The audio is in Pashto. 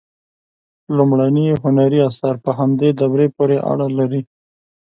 لومړني هنري آثار په همدې دورې پورې اړه لري.